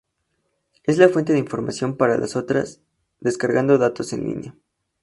Es la fuente de información para las otras, descargando datos en línea.